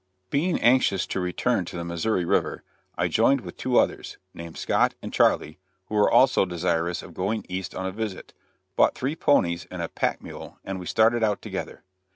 Being anxious to return to the Missouri river, I joined with two others, named Scott and Charley, who were also desirous of going East on a visit, bought three ponies and a pack mule, and we started out together.